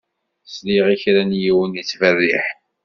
Sliɣ i kra n yiwen yettberriḥ.